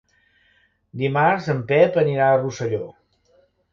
Dimarts en Pep anirà a Rosselló.